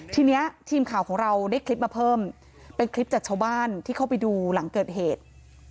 ทีนี้ทีมข่าวของเราได้คลิปมาเพิ่มเป็นคลิปจากชาวบ้านที่เข้าไปดูหลังเกิดเหตุ